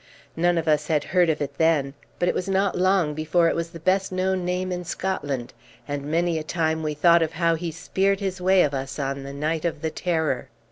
None of us had heard of it then; but it was not long before it was the best known name in Scotland, and many a time we thought of how he speered his way of us on the night of the terror.